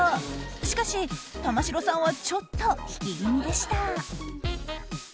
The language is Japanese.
しかし、玉城さんはちょっと引き気味でした。